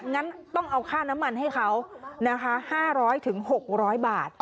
งั้นต้องเอาค่าน้ำมันให้เขานะคะ๕๐๐๖๐๐บาท